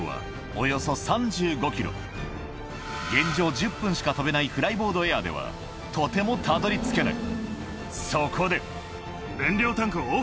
１０分しか飛べないフライボードエアではとてもたどり着けない